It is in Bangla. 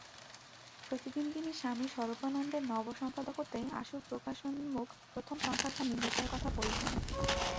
প্রতিদিন তিনি স্বামী স্বরূপানন্দের নব সম্পাদকত্বে আশু-প্রকাশোন্মুখ প্রথম সংখ্যাখানির বিষয়ে কথা পাড়িতেন।